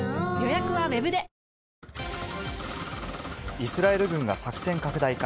イスラエル軍が作戦拡大か。